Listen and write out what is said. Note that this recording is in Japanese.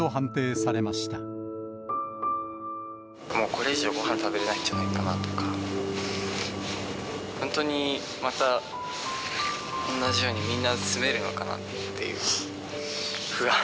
もうこれ以上、ごはん食べれないんじゃないかなとか、本当にまた同じようにみんな住めるのかなっていう。